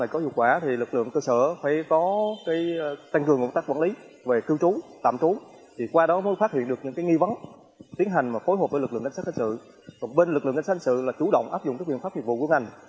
còn bên lực lượng danh sản sự là chủ động áp dụng các quyền pháp hiệp vụ của ngành